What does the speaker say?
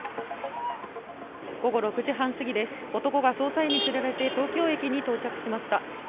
午後６時半すぎです、男が捜査員に連れられて東京駅に到着しました。